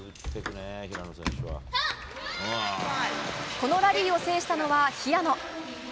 このラリーを制したのは平野。